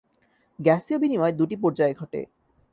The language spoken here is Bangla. গ্যাসীয় বিনিময় দুটি পর্যায়ে ঘটে।